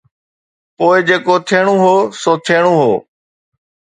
پوءِ جيڪو ٿيڻو هو سو ٿيڻو هو.